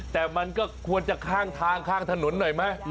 แต่มันก็ควรจะข้างทางข้างถนนหน่อยไหม